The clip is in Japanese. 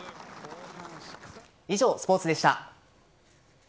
以上、スポーツでした。